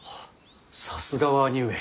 さすがは兄上。